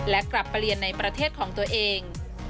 และกลับเปลี่ยนในประเทศของตัวเอง